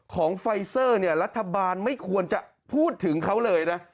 ของไฟเซอร์เนี่ยรัฐบาลไม่ควรจะพูดถึงเขาเลยนะ